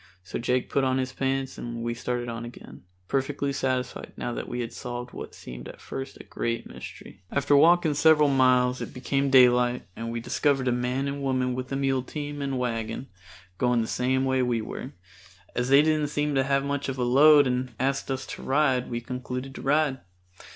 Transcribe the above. So Jake put on his pants and we started on again, perfectly satisfied now that we had solved what seemed at first a great mystery. After walking several miles it became daylight and we discovered a man and woman with a mule team and wagon, going the same way we were. As they didn't seem to have much of a load and asked us to ride we concluded to ride.